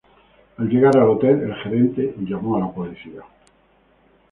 Al llegar al hotel, el gerente llamó a la policía.